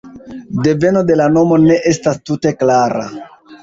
Deveno de la nomo ne estas tute klara.